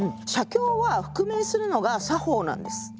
写経は覆面するのが作法なんです。